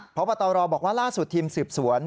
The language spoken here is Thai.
เพราะประตอรอบอกว่าล่าสุดทีมสิบสวน